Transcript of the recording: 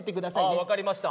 ああ分かりました。